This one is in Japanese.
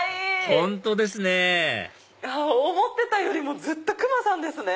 本当ですね思ってたよりもクマさんですね。